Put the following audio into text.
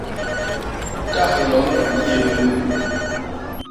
Tas yon i nyébés me!